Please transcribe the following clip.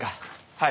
はい。